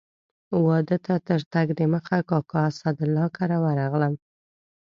واده ته تر تګ دمخه کاکا اسدالله کره ورغلم.